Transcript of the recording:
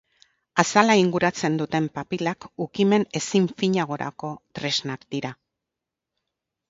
Azala inguratzen duten papilak ukimen ezin finagorako tresnak dira.